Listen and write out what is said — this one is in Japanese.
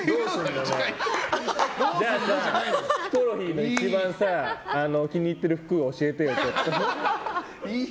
じゃあさ、ヒコロヒーの一番気に入ってる服教えてよ、ちょっと。